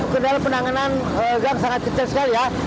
kendala penanganan gang sangat kecil sekali ya